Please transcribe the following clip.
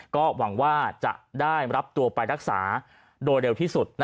ก็หวังว่าจะได้รับตัวไปรักษาโดยเร็วที่สุด